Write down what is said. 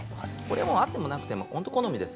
あってもなくても好みです。